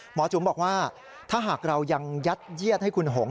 จุ๋มบอกว่าถ้าหากเรายังยัดเยียดให้คุณหง